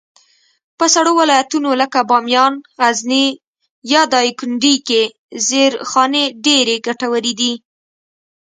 په سړو ولایتونو لکه بامیان، غزني، یا دایکنډي کي زېرخانې ډېرې ګټورې دي.